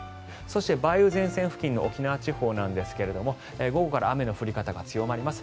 そして、梅雨前線付近の沖縄地方何ですが午後から雨の降り方が強まります。